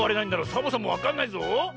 サボさんもわかんないぞ。